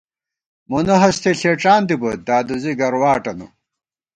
مونہ ہستےݪېڄان دِبوئیت دادوزی گرواٹَنہ